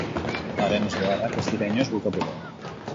Haren ezbeharrak ez dira inoiz bukatuko.